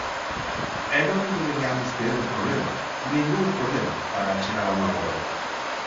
E non deberiamos ter problema, ningún problema, para chegar a un acordo.